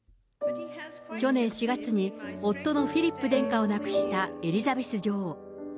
去年４月に夫のフィリップ殿下を亡くしたエリザベス女王。